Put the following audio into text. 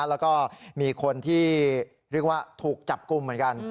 แล้วก็มีคนที่เรียกว่าถูกจับกลุ่มเหมือนกัน